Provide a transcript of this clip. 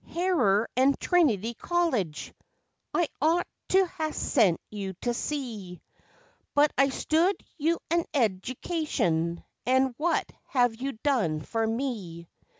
Harrer an' Trinity College! I ought to ha' sent you to sea But I stood you an education, an' what have you done for me?